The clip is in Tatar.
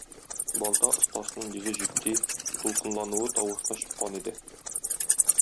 Балта остасының йөзе җитди, дулкынлануы тавышына чыккан иде.